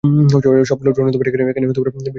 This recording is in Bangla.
সবগুলো ড্রোন এখন বিস্ফোরণ ঘটাতে যাচ্ছে!